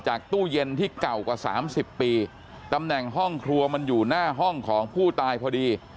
ตู้เย็นที่เก่ากว่าสามสิบปีตำแหน่งห้องครัวมันอยู่หน้าห้องของผู้ตายพอดี